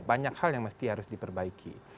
banyak hal yang mesti harus diperbaiki